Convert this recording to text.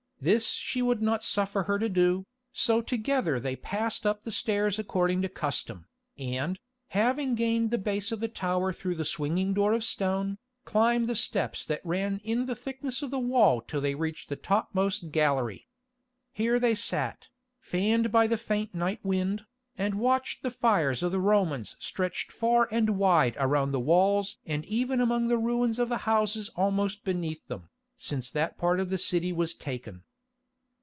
This she would not suffer her to do, so together they passed up the stairs according to custom, and, having gained the base of the tower through the swinging door of stone, climbed the steps that ran in the thickness of the wall till they reached the topmost gallery. Here they sat, fanned by the faint night wind, and watched the fires of the Romans stretched far and wide around the walls and even among the ruins of the houses almost beneath them, since that part of the city was taken.